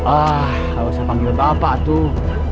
ah gak usah panggilnya pak tuh